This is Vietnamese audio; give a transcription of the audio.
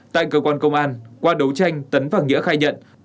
tại cơ quan công an qua đấu tranh tấn và nghĩa khai nhận